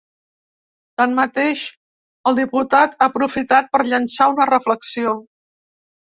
Tanmateix, el diputat ha aprofitat per llençar una reflexió.